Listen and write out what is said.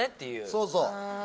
そうそう。